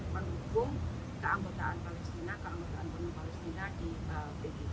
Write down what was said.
mendukung keanggotaan palestina keanggotaan penuh palestina di pdip